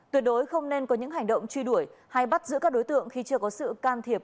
tuyệt đối không nên có những hành động truy đuổi hay bắt giữ các đối tượng khi chưa có sự can thiệp